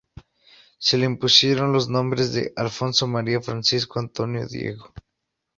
Se le impusieron los nombres de Alfonso María Francisco Antonio Diego.